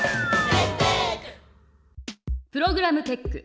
プログラムテック。